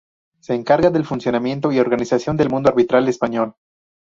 Se encarga del funcionamiento y organización del mundo arbitral español.